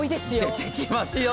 出てきますよ。